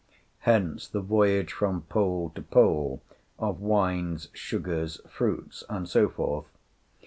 Hence the voyage from Pole to Pole of wines, sugars, fruits, and so forth.